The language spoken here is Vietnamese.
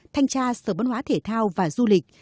thanh tra sở văn hóa thể thao và du lịch